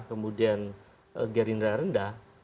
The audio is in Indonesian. kemudian gerindra rendah